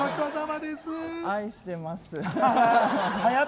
愛してます。